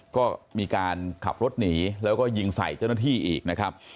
ก็มีการขับรถหนีแล้วก็ยิงใส่เจ้าหน้าที่อีกนะครับ